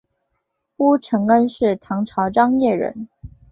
乌承恩是唐朝张掖人。